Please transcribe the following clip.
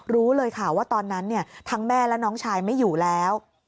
รู้เลยค่ะว่าตอนนั้นทั้งแม่และน้องชายไม่อยู่แล้ว